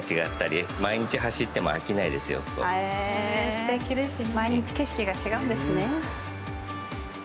すてきですね。